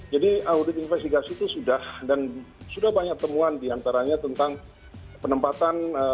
jadi audit investigasi itu sudah dan sudah banyak temuan diantaranya tentang penempatan